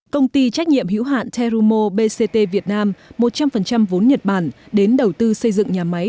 công ty trách nhiệm hữu hạn terumo bct việt nam một trăm linh vốn nhật bản đến đầu tư xây dựng nhà máy